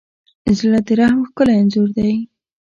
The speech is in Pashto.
زړه د رحم ښکلی انځور دی.